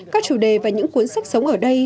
các chủ đề và những cuốn sách sống ở đây